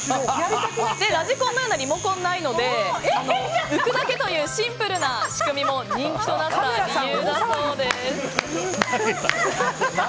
ラジコンなどリモコンがないので浮くだけというシンプルな仕組みも人気となった理由だそうです。